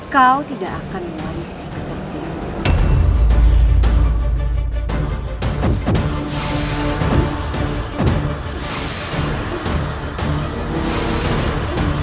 kau tidak akan mengalisi kesakitimu